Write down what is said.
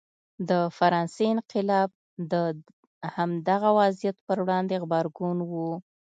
د فرانسې انقلاب د همدغه وضعیت پر وړاندې غبرګون و.